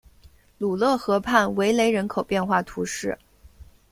鲁勒河畔维雷人口变化图示